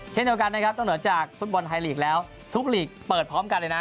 เช่นเดียวกันนะครับนอกเหนือจากฟุตบอลไทยลีกแล้วทุกหลีกเปิดพร้อมกันเลยนะ